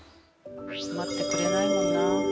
待ってくれないもんな。